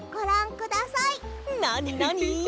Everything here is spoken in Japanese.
なになに？